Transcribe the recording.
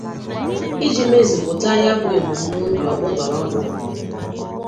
iji mezùpụta ya bụ ebumnobi ọkpụtọrọkpụ